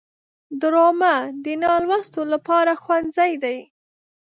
ډرامه د نالوستو لپاره ښوونځی دی